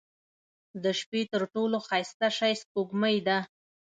• د شپې تر ټولو ښایسته شی سپوږمۍ ده.